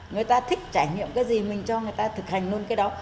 người ta thích trải nghiệm cái gì mình cho người ta thực hành luôn cái đó